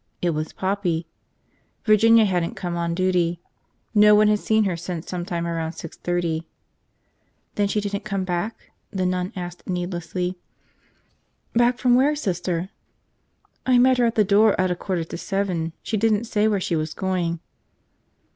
It was Poppy. Virginia hadn't come on duty. No one had seen her since sometime around six thirty. "Then she didn't come back?" the nun asked needlessly. "Back from where, Sister?" "I met her at the door at a quarter to seven. She didn't say where she was going."